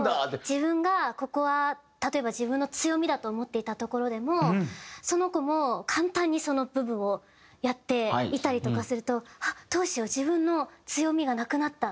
自分がここは例えば自分の強みだと思っていたところでもその子も簡単にその部分をやっていたりとかすると「あっどうしよう自分の強みがなくなった」。